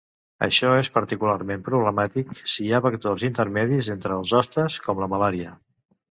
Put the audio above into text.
Això és particularment problemàtic si hi ha vectors intermedis entre els hostes, com la malària.